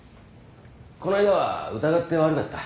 この間は疑って悪かった。